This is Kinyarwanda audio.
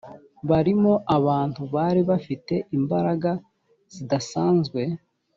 barimo abantu bari bafite imbaraga zidasanzwe